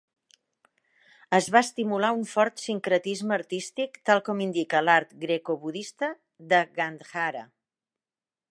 Es va estimular un fort sincretisme artístic, tal com indica l'art Greco-budista de Gandhara.